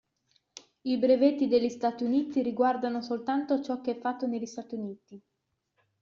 I brevetti degli Stati Uniti riguardano soltanto ciò che è fatto negli Stati Uniti.